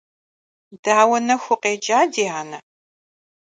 Дауэ нэху укъекӀа, ди анэ?